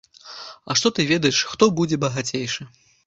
А што ты ведаеш, хто будзе багацейшы?!